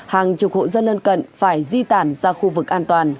hàng chục hộ dân lân cận phải di tản ra khu vực an toàn